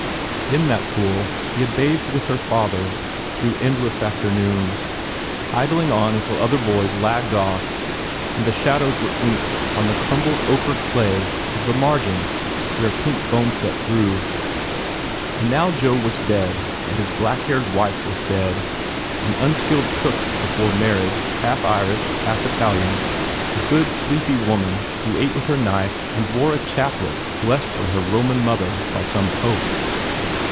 In that pool he had bathed with her father through endless afternoons, idling on until other boys lagged off and the shadows were ink on the crumbled ocher clay of the margin where pink boneset grew. And now Joe was dead and his blackhaired wife was dead ... an unskilled cook before mar riage, half Irish, half Italian, a good, sleepy woman who ate with her knife and wore a chaplet blessed for her Roman mother by some Pope.